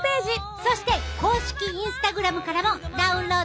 そして公式インスタグラムからもダウンロードできるで！